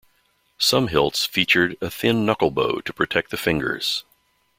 Some hilts featured a thin knuckle-bow to protect the fingers.